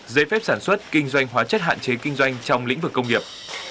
giấy phép sản xuất kinh doanh hóa chất hạn chế kinh doanh trong lĩnh vực công nghiệp